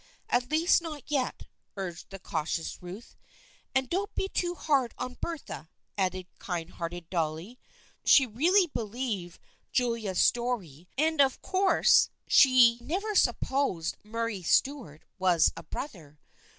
At least not yet," urged the cautious Ruth. " And don't be too hard on Bertha," added kind hearted Dolly. " She really believed Julia's story 226 THE FRIENDSHIP OF ANNE and of course she never supposed Murray Stuart was a brother.